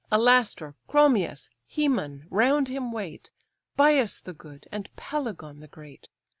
Alastor, Chromius, Haemon, round him wait, Bias the good, and Pelagon the great.